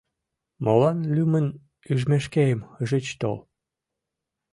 — Молан лӱмын ӱжмешкем ыжыч тол?